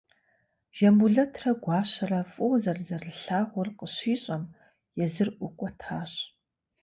Жамбулэтрэ Гуащэрэ фӏыуэ зэрызэрылъагъур къыщищӏэм, езыр ӏукӏуэтащ.